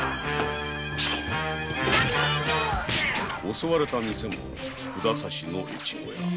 襲われた店も札差しの越後屋。